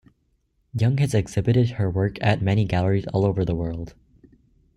Young has exhibited her work at many galleries all over the world.